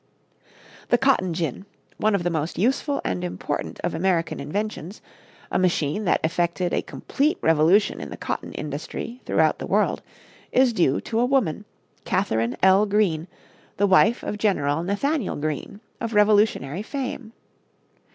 The cotton gin, one of the most useful and important of American inventions a machine that effected a complete revolution in the cotton industry throughout the world is due to a woman, Catherine L. Greene, the wife of General Nathaniel Greene, of Revolutionary fame.